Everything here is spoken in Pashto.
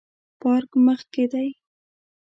پارک مخ کې دی